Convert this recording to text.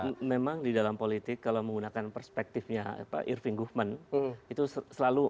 iya memang di dalam politik kalau menggunakan perspektifnya pak irving gufman itu selalu